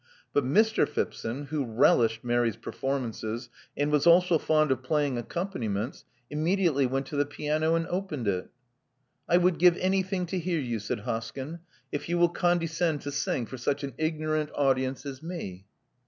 But Mr. Phipson, who relished Mary*s performances, and was also fond of playing accompaniments, immediately went to the piano, and opened it. I would give anything to hear you,*' said Hoskyn, if you will condescend to sing for such an ignorant audience as me.'